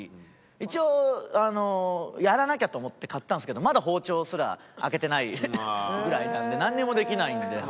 一応あのやらなきゃと思って買ったんですけどまだ包丁すら開けてないぐらいなんでなんにもできないんで。